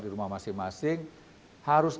di rumah masing masing harus